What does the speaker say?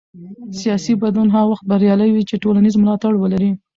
سیاسي بدلون هغه وخت بریالی وي چې ټولنیز ملاتړ ولري